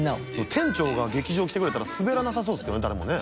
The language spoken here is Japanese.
店長が劇場来てくれたらスベらなさそうですけどね